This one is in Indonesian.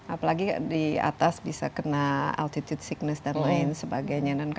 apalagi di atas bisa kena altitude sickness dan lain sebagainya